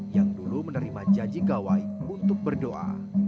yang dulu menerima janji gawai untuk berdoa